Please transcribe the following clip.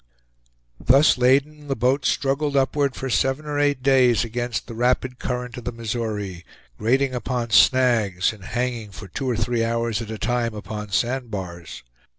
Thus laden, the boat struggled upward for seven or eight days against the rapid current of the Missouri, grating upon snags, and hanging for two or three hours at a time upon sand bars.